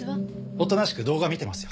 おとなしく動画見てますよ。